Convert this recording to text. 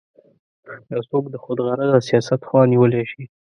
یو څوک د خودغرضه سیاست خوا نیولی شي.